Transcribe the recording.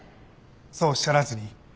そうおっしゃらずに。